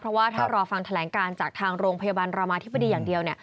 เพราะว่าถ้ารอฟังแถลงการจากทางโรงพยาบาลรามาธิบดีอย่างเดียว